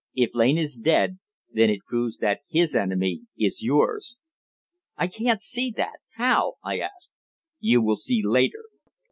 "If Lane is dead, then it proves that his enemy is yours." "I can't see that. How?" I asked. "You will see later.